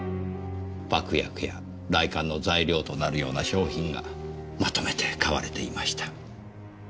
爆薬や雷管の材料となるような商品がまとめて買われていました。